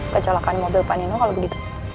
kecelakaan mobil pak nino kalau begitu